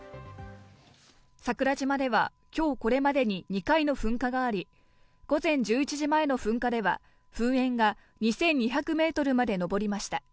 桜島では今日これまでに２回の噴火があり、午前１１時前の噴火では噴煙が２２００メートルまで上りました。